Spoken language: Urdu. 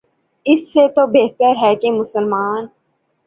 اس سے تو بہتر ہے کہ مسلمان